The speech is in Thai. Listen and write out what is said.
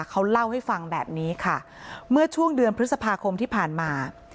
เขาเล่าให้ฟังแบบนี้ค่ะเมื่อช่วงเดือนพฤษภาคมที่ผ่านมา